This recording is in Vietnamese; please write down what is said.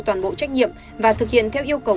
toàn bộ trách nhiệm và thực hiện theo yêu cầu